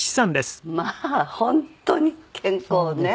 まあ本当に健康ね。